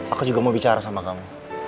aku juga mau bicara sama kamu